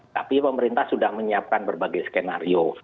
tapi pemerintah sudah menyiapkan berbagai skenario